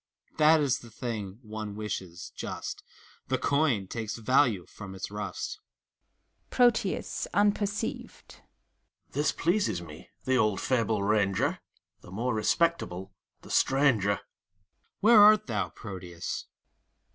That is the thing one wishes, just! The coin takes value from its rust. PROTEUS (unperceived) , This pleases me, the old fable ranger! The more respectable, the strangfer. THALES. Where art thou, Proteus?